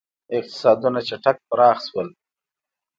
• اقتصادونه چټک پراخ شول.